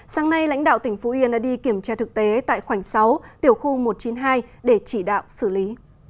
sáng nay lãnh đạo tỉnh phú yên đã đi kiểm tra thực tế tại khoảnh sáu tiểu khu một trăm chín mươi hai để chỉ đạo xử lý